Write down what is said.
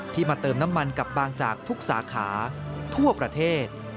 มาเติมน้ำมันกับบางจากทุกสาขาทั่วประเทศ